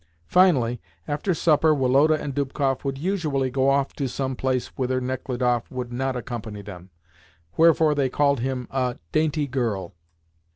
Finally, after supper Woloda and Dubkoff would usually go off to some place whither Nechludoff would not accompany them; wherefore they called him "a dainty girl."